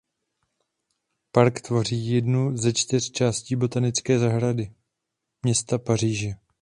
Park tvoří jednu ze čtyř částí Botanické zahrady města Paříže.